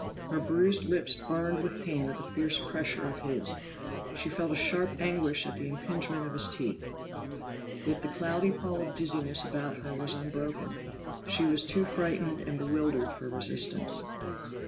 Her bruised lips burned with pain at the fierce pressure of his; she felt a sharp anguish at the impingement of his teeth. Yet the cloudy pall of dizziness about her was unbroken; she was too frightened and bewildered for resistance.